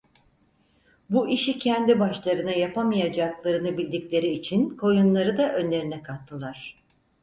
Bu işi kendi başlarına yapamayacaklarını bildikleri için koyunları da önlerine kattılar: